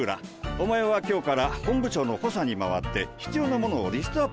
お前は今日から本部長の補佐に回って必要な物をリストアップしてくれ。